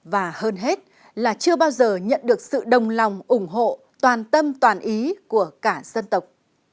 và hơn hết là chưa bao giờ nhận được sự đồng lòng ủng hộ toàn tâm toàn ý của cả dân tộc